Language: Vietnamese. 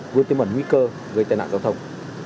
vừa tiêu mẩn nguy cơ gây tai nạn giao thông